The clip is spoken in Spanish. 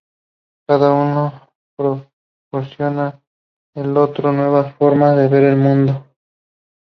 Cada uno proporciona al otro nuevas formas de ver el mundo.